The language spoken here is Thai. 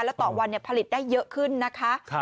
แล้วต่อวันผลิตได้เยอะขึ้นนะคะ